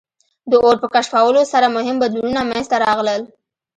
د اور په کشفولو سره مهم بدلونونه منځ ته راغلل.